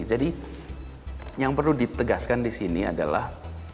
jadi yang perlu ditegaskan disini adalah